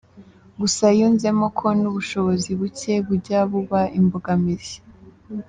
Gusa yunzemo ko n'ubushobozi bucye bujya buba imbogamizi.